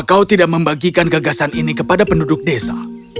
kau tidak membagikan gagasan ini kepada penduduk desa